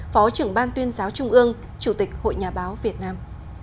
phó trưởng ban tuyên giáo trung ương chủ tịch hội nhà báo việt nam